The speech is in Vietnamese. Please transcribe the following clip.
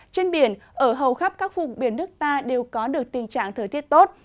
trên biển ở hầu khắp các vùng biển nước ta đều có được tình trạng thời tiết tốt